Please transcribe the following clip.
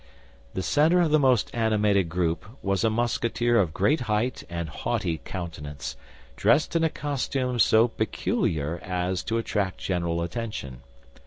The center of the most animated group was a Musketeer of great height and haughty countenance, dressed in a costume so peculiar as to attract general attention.